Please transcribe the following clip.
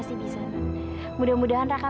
sebenernya tuh aku pengen